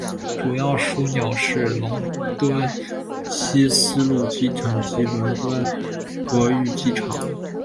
主要枢纽是伦敦希斯路机场及伦敦格域机场。